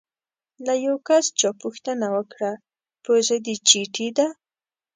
له یو کس چا پوښتنه وکړه: پوزه دې چیتې ده؟